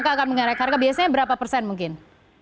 maka akan mengerik harga biasanya berapa persen mungkin